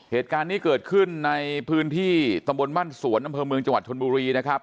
เหตุการณ์ที่เกิดขึ้นในพื้นที่ตบมสวนอเจชนบุรีนะครับ